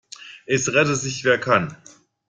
Es rette sich, wer kann.